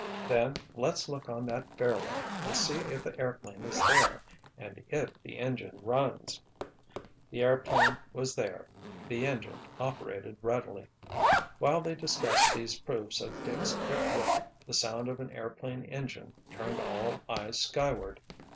"Then let's look on that fairway and see if the airplane is there, and if the engine runs." The airplane was there. The engine operated readily. While they discussed these proofs of Dick's quick wit, the sound of an airplane engine turned all eyes skyward.